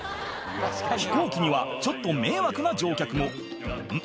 飛行機にはちょっと迷惑な乗客もん？